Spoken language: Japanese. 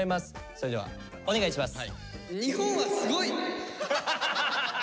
それではお願いします。